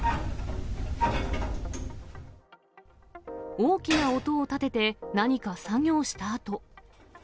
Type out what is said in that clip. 大きな音を立てて、何か作業をしたあと。